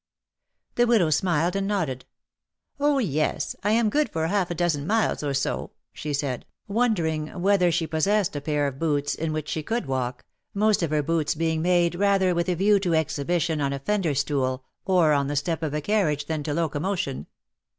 ^^ The widow smiled and nodded. " Oh, yes, I an good for half a dozen miles, or so,^^ she said, wondering whether she possessed a pair of boots ii ^^ TIME TURNS THE OLD DAYS TO DERISIOn/^ 169 which she could walk, most of her boots being made rather with a view to exhibition on a fender stool or on the step of a carriage than to locomotion.